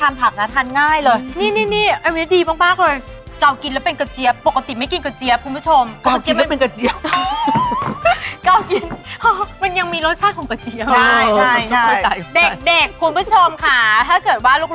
ไม่ใช่แคลอทค่ะ